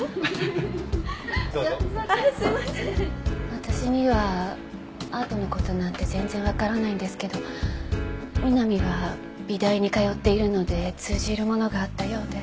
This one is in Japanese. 私にはアートの事なんて全然わからないんですけど美波は美大に通っているので通じるものがあったようで。